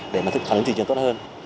để mà thực phẩm đến thị trường tốt hơn